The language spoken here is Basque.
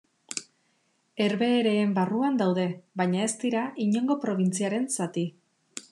Herbehereen barruan daude, baina ez dira inongo probintziaren zati.